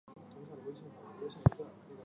连他的名字都不知道